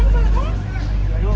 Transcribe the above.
apa ini yang salah